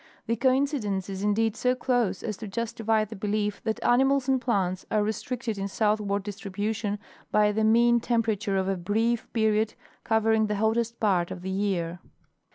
The coincidence is indeed so close as to justify the belief that animals and plants are restricted in southward distribution by the mean temperature of a brief period covering the hottest part of the year.